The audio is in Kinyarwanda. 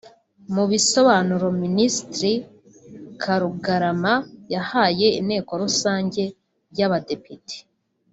Mu bisobanuro Minisitire Karugarama yahaye inteko rusange y’abadepite